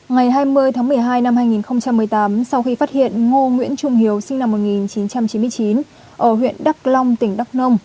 ngày hai mươi tháng một mươi hai năm hai nghìn một mươi tám sau khi phát hiện ngô nguyễn trung hiếu sinh năm một nghìn chín trăm chín mươi chín ở huyện đắk long tỉnh đắk nông